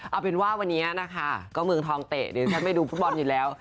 เอาเป็นว่าวันนี้นะคะก็เมืองทองเตะเดี๋ยวฉันไปดูฟุตบอลอยู่แล้ว